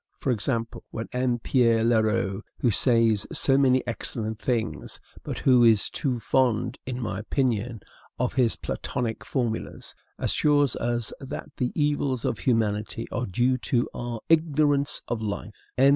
For example, when M. Pierre Leroux who says so many excellent things, but who is too fond, in my opinion, of his Platonic formulas assures us that the evils of humanity are due to our IGNORANCE OF LIFE, M.